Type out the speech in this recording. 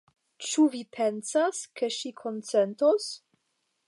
Ĉu vi pensas, ke ŝi konsentos?